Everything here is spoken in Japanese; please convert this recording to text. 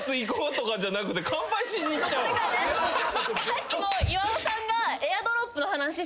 さっきも岩尾さんが。